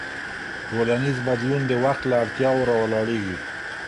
ټولنیز بدلون د وخت له اړتیاوو راولاړېږي.